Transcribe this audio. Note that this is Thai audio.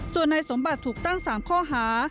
ส่วนในสมบัติถูกตั้งสามข้อหา